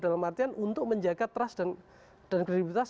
dalam artian untuk menjaga trust dan kredibilitas